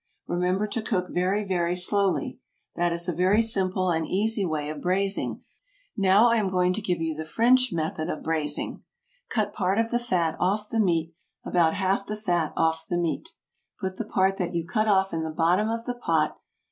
Remember to cook very, very slowly. That is a very simple and easy way of braising, which any one can accomplish. Now I am going to give you the French method of braising. Cut part of the fat off the meat, about half the fat off the meat. Put the part that you cut off in the bottom of the pot.